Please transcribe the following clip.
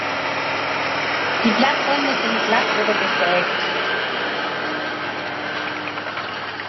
Die Blattränder sind glatt oder gesägt.